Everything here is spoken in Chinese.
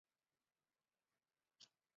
臧儿是西汉初燕王臧荼的孙女。